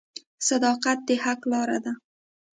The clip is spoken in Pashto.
• صداقت د حق لاره ده.